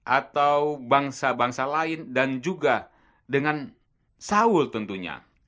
atau bangsa bangsa lain dan juga dengan saul tentunya